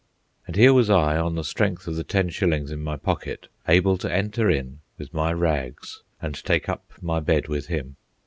And here was I, on the strength of the ten shillings in my pocket, able to enter in with my rags and take up my bed with him.